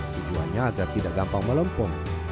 tujuannya agar tidak gampang melempung